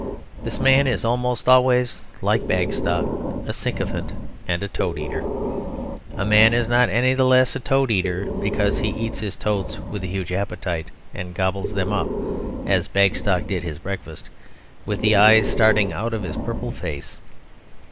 This man is almost always like Bagstock a sycophant and a toad eater. A man is not any the less a toad eater because he eats his toads with a huge appetite and gobbles them up, as Bagstock did his breakfast, with the eyes starting out of his purple face.